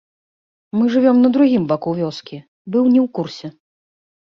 Мы жывём на другім баку вёскі, быў не ў курсе.